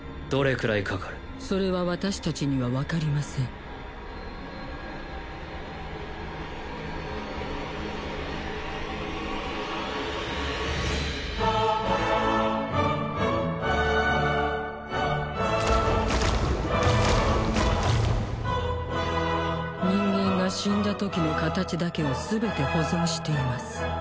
どれくらいかかるそれは私達には分かりません人間が死んだときの形だけを全て保存しています